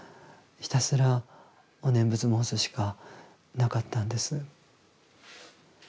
ひたすらお念仏申すしかなかったんです。